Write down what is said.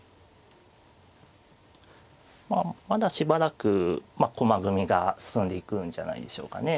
まあまだしばらく駒組みが進んでいくんじゃないでしょうかね。